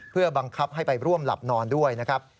เพื่อบังคับให้ไปร่วมหลับนอนด้วยนะครับ